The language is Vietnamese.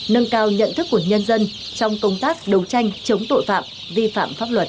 nâng cao nhận thức của nhân dân trong công tác đấu tranh chống tội phạm vi phạm pháp luật